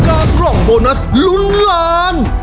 ภายในเวลา๓นาที